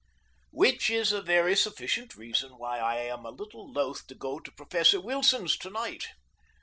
Which is a very sufficient reason why I am a little loath to go to Professor Wilson's tonight.